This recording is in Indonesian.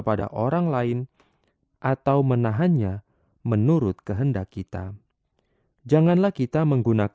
pada engkau juru selamat